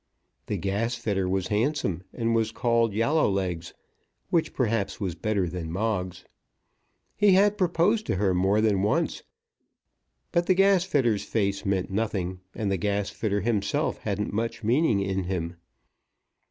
The gasfitter was handsome, and was called Yallolegs, which perhaps was better than Moggs. He had proposed to her more than once; but the gasfitter's face meant nothing, and the gasfitter himself hadn't much meaning in him.